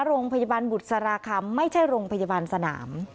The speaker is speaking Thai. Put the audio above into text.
โรงพยาบาลบุษราคำไม่ใช่โรงพยาบาลสนาม